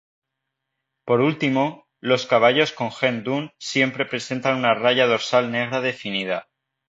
Por último, los caballos con gen dun siempre presentan una raya dorsal negra definida.